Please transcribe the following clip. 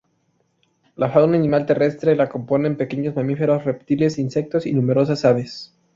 La fauna animal terrestre la componen pequeños mamíferos, reptiles, insectos y numerosas aves.